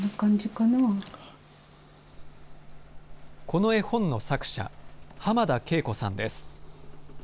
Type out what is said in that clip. この絵本の作者、浜田桂子さんです。